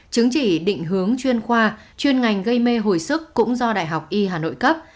chứng chỉ định hướng chuyên khoa chuyên ngành gây mê hồi sức cũng do đại học y hà nội cấp